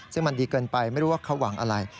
ซึ่งมันดีเกินไปไม่รู้ว่าเขาหวังอะไร